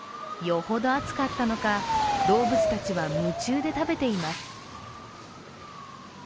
よほど暑かったのか動物たちは夢中で食べています。